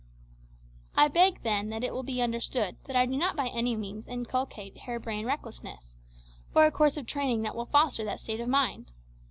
I beg, then, that it will be understood that I do not by any means inculcate hare brained recklessness, or a course of training that will foster that state of mind.